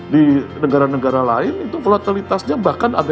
di negara negara lain itu volatilitasnya bahkan ada